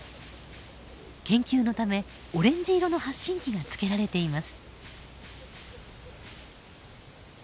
研究のためオレンジ色の発信器がつけられています。